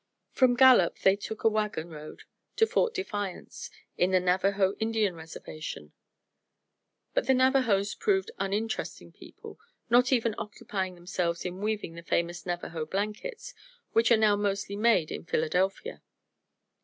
From Gallup they took a wagon road to Fort Defiance, in the Navajo Indian reservation; but the Navajos proved uninteresting people, not even occupying themselves in weaving the famous Navajo blankets, which are now mostly made in Philadelphia.